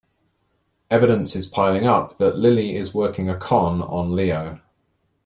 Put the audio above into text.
Evidence is piling up that Lily is working a con on Leo.